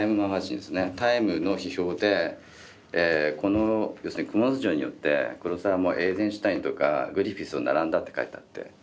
「ＴＩＭＥ」の批評でこの要するに「蜘蛛巣城」によって黒澤はもうエイゼンシュテインとかグリフィスに並んだって書いてあって。